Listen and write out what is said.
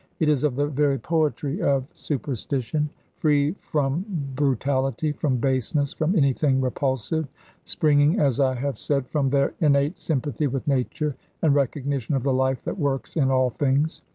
It is of the very poetry of superstition, free from brutality, from baseness, from anything repulsive, springing, as I have said, from their innate sympathy with Nature and recognition of the life that works in all things.